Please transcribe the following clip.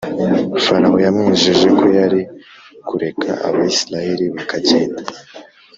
Farawo yamwijeje ko yari kureka Abisirayeli bakagenda